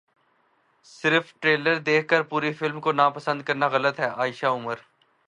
صرف ٹریلر دیکھ کر پوری فلم کو ناپسند کرنا غلط ہے عائشہ عمر